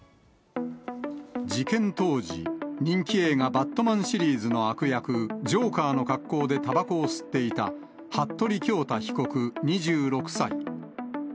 事件当時、人気映画、バットマンシリーズの悪役、ジョーカーの格好でたばこを吸っていた服部恭太被告２６歳。